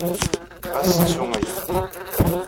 Ɣas ttu aya.